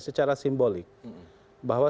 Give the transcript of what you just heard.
secara simbolik bahwa